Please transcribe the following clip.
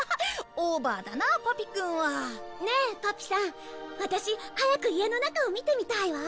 オーバーだなあパピくんは。ねえパピさん。ワタシ早く家の中を見てみたいわ。